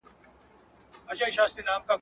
د پردي شیخ په دعاګانو ژړا نه سمیږو `